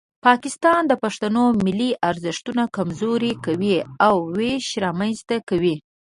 پاکستان د پښتنو ملي ارزښتونه کمزوري کوي او ویش رامنځته کوي.